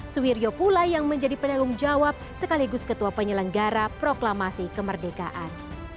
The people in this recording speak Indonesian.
suwirjo pula yang menjadi penanggung jawab sekaligus ketua penyelenggara proklamasi kemerdekaan